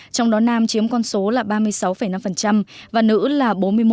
trong đó nam chiếm con số là ba mươi sáu năm và nữ là bốn mươi một